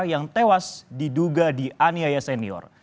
yang tewas diduga di aniaya senior